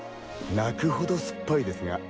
泣くほど酸っぱいですが。